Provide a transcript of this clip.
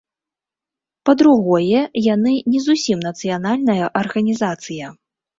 Па-другое, яны не зусім нацыянальная арганізацыя.